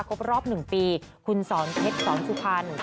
ครบรอบหนึ่งปีคุณสอนเทศสอนสุพรรณ